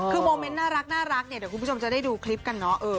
คือโมเมนต์น่ารักเนี่ยเดี๋ยวคุณผู้ชมจะได้ดูคลิปกันเนาะ